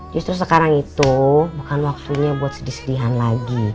justru sekarang itu bukan waktunya buat sedih sedihan lagi